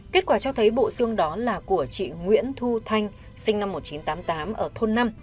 kết quả cho thấy bộ xương đó là của chị nguyễn thu thanh sinh năm một nghìn chín trăm tám mươi tám ở thôn năm